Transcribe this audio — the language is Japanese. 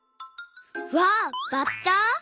わあバッタ？